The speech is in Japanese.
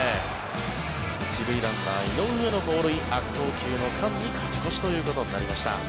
１塁ランナー、井上の盗塁悪送球の間に勝ち越しとなりました。